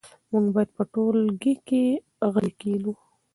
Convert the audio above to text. موږ باید په ټولګي کې غلي کښېنو.